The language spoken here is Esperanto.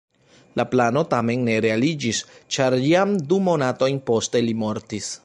La plano tamen ne realiĝis, ĉar jam du monatojn poste li mortis.